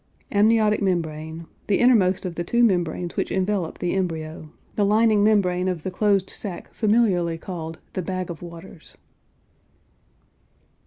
AMNIOTIC MEMBRANE. The innermost of the two membranes which envelop the embryo; the lining membrane of the closed sac familiarly called "the bag of waters."